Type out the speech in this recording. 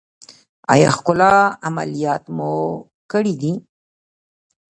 ایا ښکلا عملیات مو کړی دی؟